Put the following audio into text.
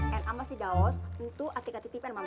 dan sama si daos itu atik atik dipen sama mami